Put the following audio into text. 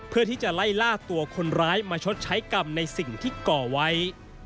เพื่อที่จะไล่ล่าตัวคนร้ายมาชดใช้กรรมในสิ่งที่ก่อไว้